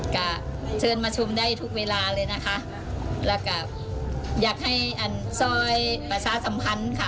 ก็เชิญมาชมได้ทุกเวลาเลยนะคะแล้วก็อยากให้อันซอยประชาสัมพันธ์ค่ะ